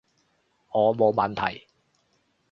我冇問題